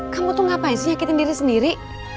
kamu tuh ngapain sih yakin diri sendiri